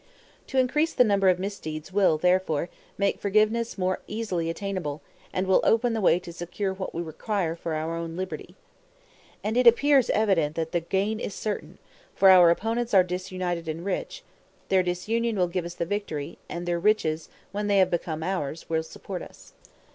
To increase the number of misdeeds will, therefore, make forgiveness more easily attainable, and will open the way to secure what we require for our own liberty. And it appears evident that the gain is certain; for our opponents are disunited and rich; their disunion will give us the victory, and their riches, when they have become ours, will support us.